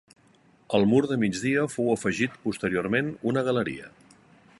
Al mur de migdia fou afegit posteriorment una galeria.